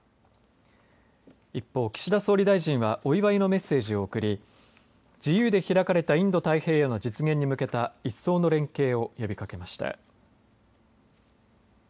一方、岸田総理大臣はお祝いのメッセージを送り自由で開かれたインド太平洋の実現に向けた一層の連携を呼びかけました。